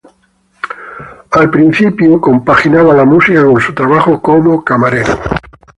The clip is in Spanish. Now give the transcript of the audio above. Al principio compaginaba la música con su trabajo como camarero.